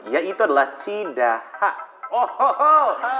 yaitu adalah cidaha